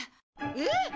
えっ！？